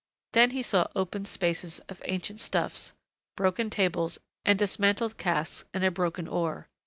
Then he saw open spaces of ancient stuffs, broken tables and dismantled caiques and a broken oar.